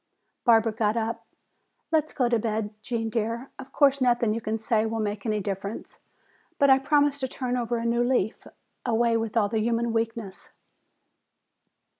Barbara got up. "Let's go to bed, Gene dear. Of course, nothing you can say will make any difference. But I promise to turn over a new leaf. Away with all human weakness!"